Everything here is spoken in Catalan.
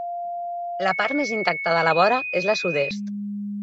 La part més intacta de la vora és la sud-est.